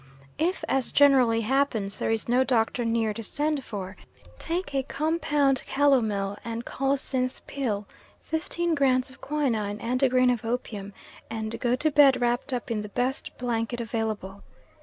If, as generally happens, there is no doctor near to send for, take a compound calomel and colocynth pill, fifteen grains of quinine and a grain of opium, and go to bed wrapped up in the best blanket available.